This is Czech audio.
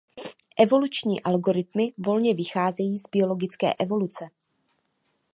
Evoluční algoritmy volně vycházejí z biologické evoluce.